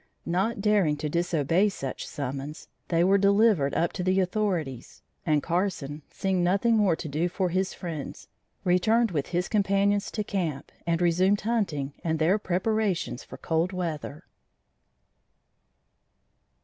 Not daring to disobey such a summons, they were delivered up to the authorities, and Carson, seeing nothing more to do for his friends, returned with his companions to camp and resumed hunting and their preparations for cold weather.